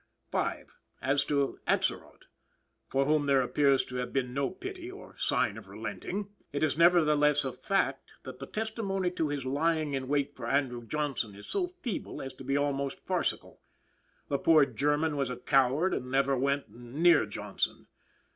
V. As to Atzerodt, for whom there appears to have been no pity or sign of relenting, it is nevertheless a fact, that the testimony to his lying in wait for Andrew Johnson is so feeble as to be almost farcical. The poor German was a coward and never went near Johnson.